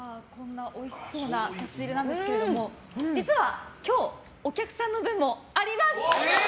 おいしそうな差し入れなんですけども今日はお客さんの分もあります！